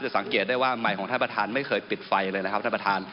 สังเกตได้ว่าใหม่ของท่านประธานไม่เคยปิดไฟเลยนะครับท่านประธาน